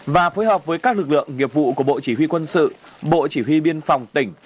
và phối hợp với các lực lượng nghiệp vụ của bộ chỉ huy quân sự bộ chỉ huy biên phòng tỉnh